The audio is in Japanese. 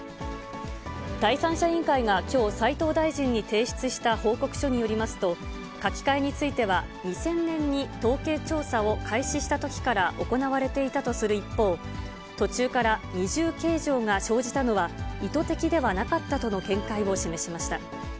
第三者委員会がきょう、斉藤大臣に提出した報告書によりますと、書き換えについては、２０００年に統計調査を開始したときから行われていたとする一方、途中から二重計上が生じたのは、意図的ではなかったとの見解を示しました。